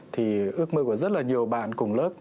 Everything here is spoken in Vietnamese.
thì ước mơ của rất nhiều bạn cùng lớp